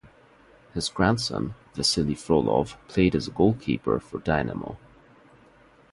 His grandson Vasili Frolov played as a goalkeeper for "Dynamo".